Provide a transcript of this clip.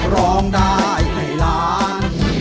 ร้องได้ให้ล้าน